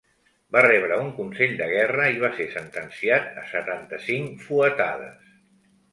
Va rebre un consell de guerra i va ser sentenciat a setanta-cinc fuetades.